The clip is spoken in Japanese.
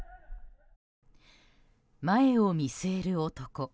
前を見据える男。